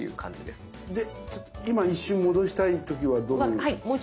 で今一瞬戻したい時はどういう？